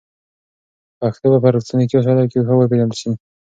پښتو به په الکترونیکي وسایلو کې ښه وپېژندل شي.